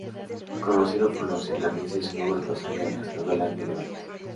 Conocido por los irlandeses, su nombre pasaría a las novelas medievales.